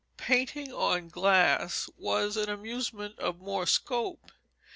Painting on glass was an amusement of more scope.